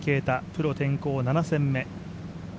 プロ転向７戦目。